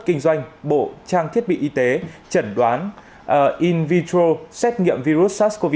kinh doanh bộ trang thiết bị y tế chẩn đoán in viettra xét nghiệm virus sars cov hai